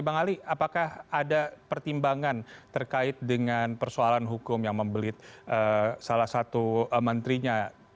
bang ali apakah ada pertimbangan terkait dengan persoalan hukum yang membelit salah satu menterinya